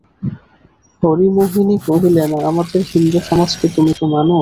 হরিমোহিনী কহিলেন, আমাদের হিন্দুসমাজকে তুমি তো মান?